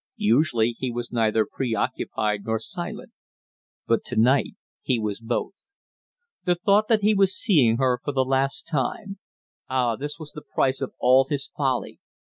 Usually he was neither preoccupied nor silent, but to night he was both. The thought that he was seeing her for the last time Ah, this was the price of all his folly!